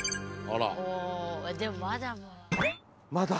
あでもまだまだ。